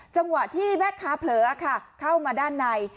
จังหวะที่แม่ค้าเผลอค่ะเข้ามาด้านใน